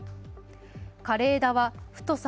枯れ枝は太さ